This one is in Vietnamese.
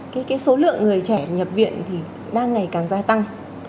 cái số lượng người trẻ nhập viện thì đang ngày càng gia tăng